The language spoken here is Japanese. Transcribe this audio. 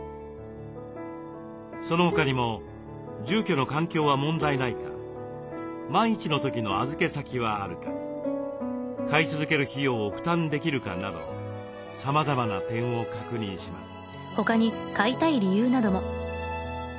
その他にも住居の環境は問題ないか万一の時の預け先はあるか飼い続ける費用を負担できるかなどさまざまな点を確認します。